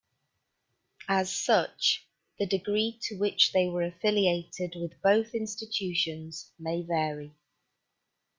As such, the degree to which they were affiliated with both institutions may vary.